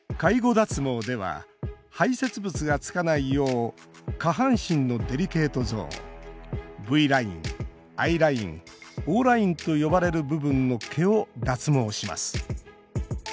脱毛では排泄物がつかないよう下半身のデリケートゾーンＶライン、ＩラインＯラインと呼ばれる部分の毛を脱毛します。